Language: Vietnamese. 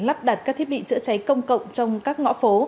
lắp đặt các thiết bị chữa cháy công cộng trong các ngõ phố